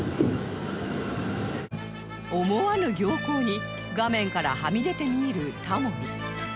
思わぬ僥倖に画面からはみ出て見入るタモリ